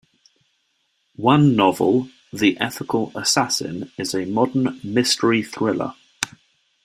One novel, "The Ethical Assassin", is a modern mystery-thriller.